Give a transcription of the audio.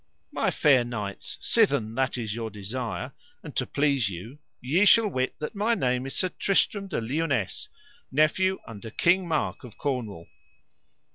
My fair knights, sithen that is your desire, and to please you, ye shall wit that my name is Sir Tristram de Liones, nephew unto King Mark of Cornwall.